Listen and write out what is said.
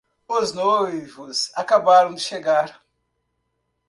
Os noivos acabaram de chegar